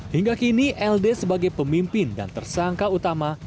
hingga kini ld sebagai pemimpin dan tersangka utama